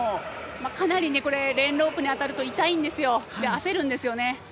かなりレーンロープに当たると痛いんですよ、焦るんですよね。